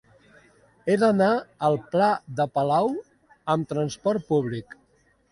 He d'anar al pla de Palau amb trasport públic.